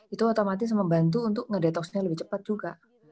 itu otomatis membantu untuk ngedetoksnya lebih cepat juga